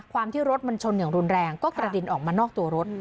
ที่รถมันชนอย่างรุนแรงก็กระเด็นออกมานอกตัวรถ